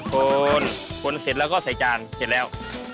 คนคนเสร็จแล้วก็ใส่จานเสร็จแล้ว